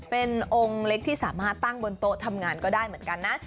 เป็นองค์เล็กที่สามารถตั้งบนโต๊ะทำงานก็ได้เหมือนกันนะ